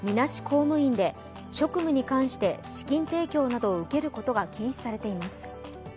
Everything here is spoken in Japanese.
公務員で職務に関して資金提供などを受けることが禁止されています。